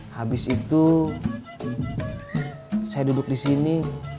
habis itu saya duduk di sini